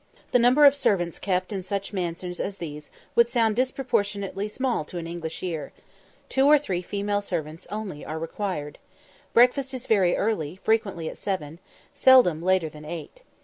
The number of servants kept in such mansions as these would sound disproportionately small to an English ear. Two or three female servants only are required. Breakfast is very early, frequently at seven, seldom later than eight.